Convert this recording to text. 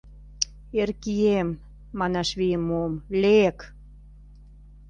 — Эркием, — манаш вийым муым, — лек.